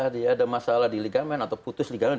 dia ada masalah di ligamen atau putus ligamen